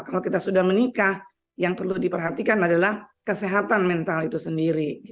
kalau kita sudah menikah yang perlu diperhatikan adalah kesehatan mental itu sendiri